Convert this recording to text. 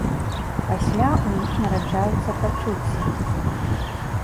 Пасля ў іх нараджаюцца пачуцці.